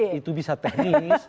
ya itu bisa teknis